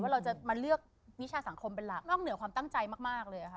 เราจะมาเลือกวิชาสังคมเป็นหลักนอกเหนือความตั้งใจมากเลยค่ะ